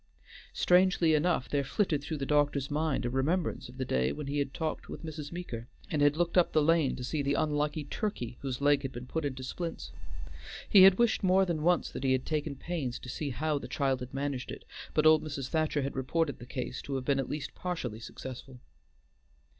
Strangely enough there flitted through the doctor's mind a remembrance of the day when he had talked with Mrs. Meeker, and had looked up the lane to see the unlucky turkey whose leg had been put into splints. He had wished more than once that he had taken pains to see how the child had managed it; but old Mrs. Thacher had reported the case to have been at least partially successful.